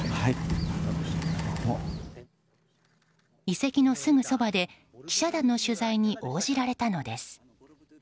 遺跡のすぐそばで記者団の取材に応じられたのです。